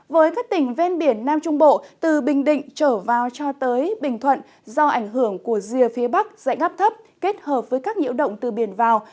với các tỉnh ven biển nam trung bộ từ bình định trở vào cho tới bình thuận do ảnh hưởng của rìa phía bắc dãy ngắp thấp kết hợp với các nhiễu động từ biển vào